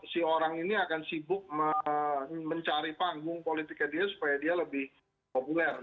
si orang ini akan sibuk mencari panggung politiknya dia supaya dia lebih populer